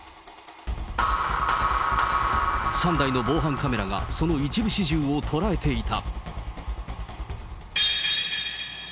３台の防犯カメラがその一部始終を捉えていた。